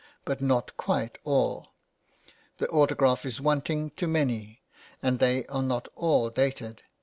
But not quite all; the autograph is wanting to many, and they are not all dated.